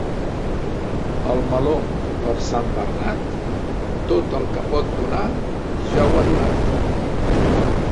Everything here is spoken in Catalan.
El meló, per Sant Bernat, tot el que pot donar, ja ho ha donat.